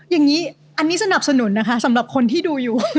อย่างนี้อันนี้สนับสนุนนะคะสำหรับคนที่ดูอยู่